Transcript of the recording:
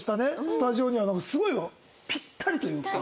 スタジオにはすごいピッタリというか。